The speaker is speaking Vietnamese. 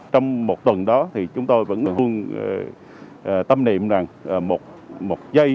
trong một tuần đó thì chúng tôi vẫn luôn tâm niệm rằng một giây